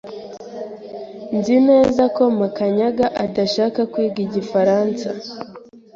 Nzi neza ko Makanyaga adashaka kwiga igifaransa.